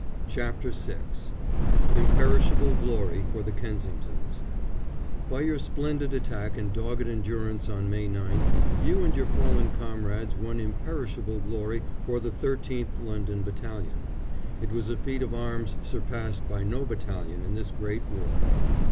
CHAPTER VI "IMPERISHABLE GLORY" FOR THE KENSINGTONS ["By your splendid attack and dogged endurance on May 9th, you and your fallen comrades won imperishable glory for the 13th London Battalion. It was a feat of arms surpassed by no battalion in this great war."